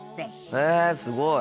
へえすごい！